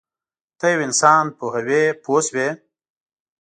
ته یو انسان پوهوې پوه شوې!.